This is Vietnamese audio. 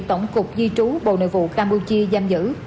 tổng cục di trú bộ nội vụ campuchia giam giữ